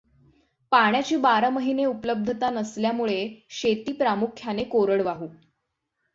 पाण्याची बारा महिने उपलब्धतता नसल्यामुळे शेती प्रामुख्याने कोरडवाहू.